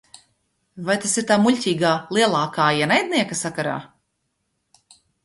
"Vai tas ir tā muļķīgā "lielākā ienaidnieka" sakarā?"